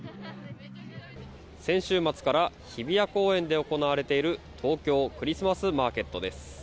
先週末から日比谷公園で行われている東京クリスマスマーケットです。